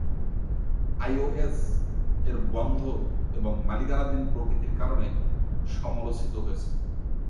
IOS এর বন্ধ এবং মালিকানাধীন প্রকৃতির কারণে সমালোচিত হয়েছে।